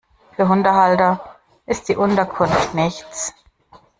Für Hundehalter ist die Unterkunft nichts.